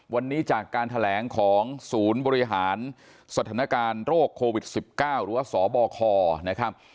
วันนี้จากการแถลงของศูนย์บริหารสถานการณ์โรคโควิด๑๙หรือว่าสบคนะครับ